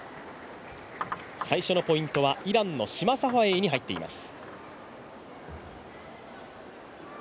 最初のポイントはイランのシマサファエイに入っています。